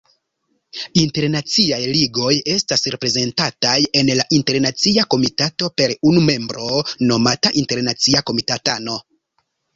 Internaciaj Ligoj estas reprezentataj en la Internacia Komitato per unu membro, nomata Internacia Komitatano.